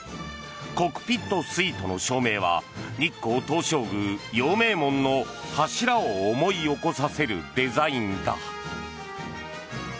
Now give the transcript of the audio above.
コックピットスイートの照明は日光東照宮・陽明門の柱を思い起こさせるデザインだ。